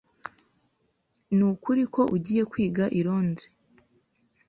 Nukuri ko ugiye kwiga i Londres?